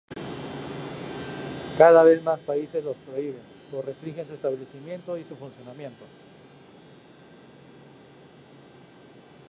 Cada vez más países los prohíben o restringen su establecimiento y su funcionamiento.